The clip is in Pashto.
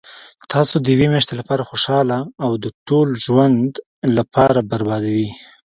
تاسو د یوې میاشتي لپاره خوشحاله او د ټول ژوند لپاره بربادوي